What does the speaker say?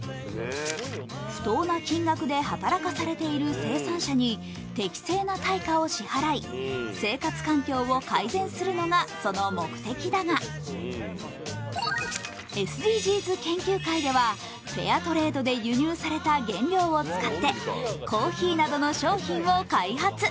不当な金額で働かされている生産者に適正な対価を支払い、生活環境を改善するのがその目的だが、その目的だが、ＳＤＧｓ研究会では、フェアトレードで輸入された原料を使ってコーヒーなどの商品を開発。